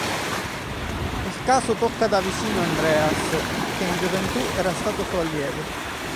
Il caso tocca da vicino Andreas, che in gioventù era stato suo allievo.